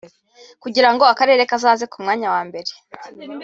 kugirango akarere kazaze ku mwanya wa mbere